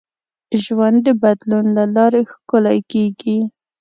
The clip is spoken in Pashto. ژوند د بدلون له لارې ښکلی کېږي.